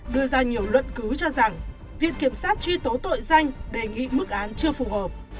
đưa ra nhiều luận cứu cho rằng viện kiểm sát truy tố tội danh đề nghị mức án chưa phù hợp